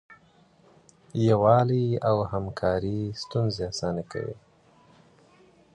یووالی او همکاري ستونزې اسانه کوي.